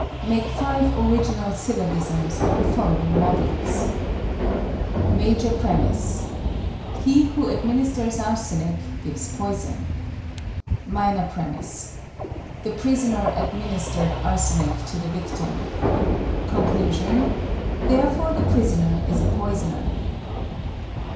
Make five original syllogisms on the following models: MAJOR PREMISE: He who administers arsenic gives poison. MINOR PREMISE: The prisoner administered arsenic to the victim. CONCLUSION: Therefore the prisoner is a poisoner.